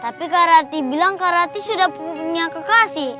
tapi kak rati bilang kak rati sudah punya kekasih